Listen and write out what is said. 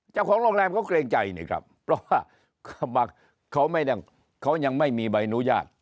เจ้าของโรงแรมเขาเกรงใจนี่ครับเพราะว่าเขายังไม่มีใบอนุญาต